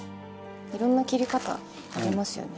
いろんな切り方ありますよね。